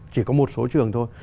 chỉ có một số trường thôi